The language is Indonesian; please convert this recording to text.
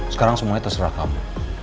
sekarang semuanya terserah kamu